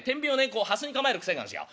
こうはすに構える癖があるんすよ。